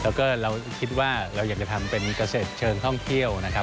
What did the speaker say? แล้วก็เราคิดว่าเราอยากจะทำเป็นเกษตรเชิงท่องเที่ยวนะครับ